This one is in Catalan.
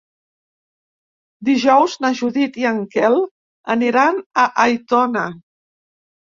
Dijous na Judit i en Quel aniran a Aitona.